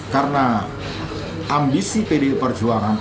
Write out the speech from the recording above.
karena ambisi pdi perjuangan